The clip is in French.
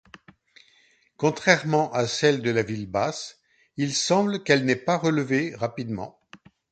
Contrairement à celle de la ville basse, il semble qu'elle n'est pas relevée rapidement.